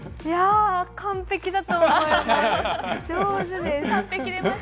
完璧だと思います。